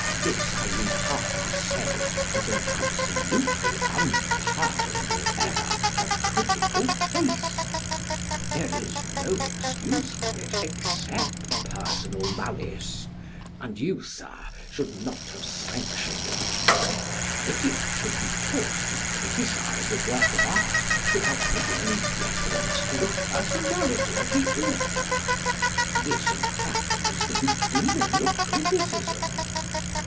This, I need hardly say, was an absolutely unpardonable error of critical taste. There is no excuse for it except personal malice; and you, Sir, should not have sanctioned it. A critic should be taught to criticise a work of art without making any reference to the personality of the author. This, in fact, is the beginning of criticism.